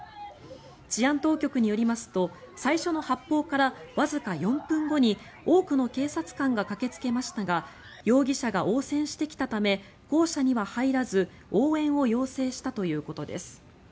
治安当局によりますと最初の発砲からわずか４分後に多くの警察官が駆けつけましたが容疑者が応戦してきたため校舎には入らず応援を要請したということです。